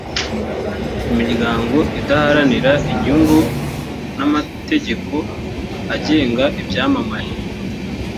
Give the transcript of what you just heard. imiryango idaharanira inyungu n amategeko agenga ibyamamare